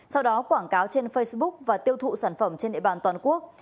sau đó quảng cáo trên facebook và tiêu thụ sản phẩm trên địa bàn toàn quốc